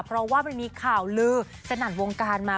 เพราะว่ามันมีข่าวลือสนั่นวงการมา